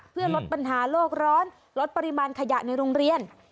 เพื่อลดปัญหาโลกร้อนลดปริมาณขยะในโรงเรียน